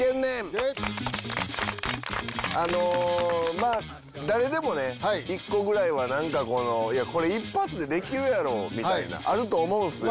まあ誰でもね１個ぐらいはなんかこのいやこれ一発でできるやろみたいなあると思うんですよ。